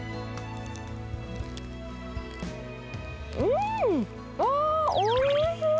うーん！あーっ、おいしい。